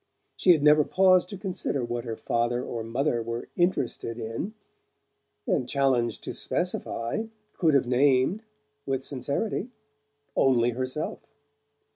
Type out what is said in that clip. She had never paused to consider what her father and mother were "interested" in, and, challenged to specify, could have named with sincerity only herself.